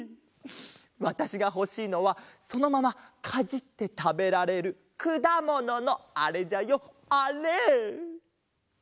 わたしがほしいのはそのままかじってたべられるくだもののあれじゃよあれ！